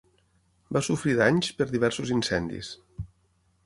Va sofrir danys per diversos incendis.